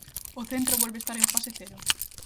O centro volve estar en fase cero.